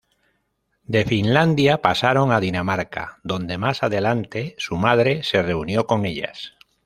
De Finlandia pasaron a Dinamarca, donde más adelante su madre se reunió con ellas.